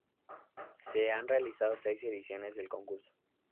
Se han realizado seis ediciones del concurso.